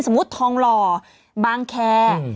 สมมุติทองรอบางแคร์